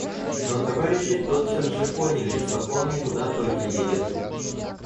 Но товарищи тотчас же поняли, что он не туда только едет.